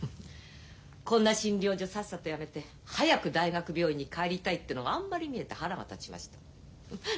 こんな診療所さっさとやめて早く大学病院に帰りたいってのがあんまり見えて腹が立ちましたの。